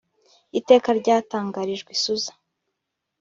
iteka ryatangarijwe i suza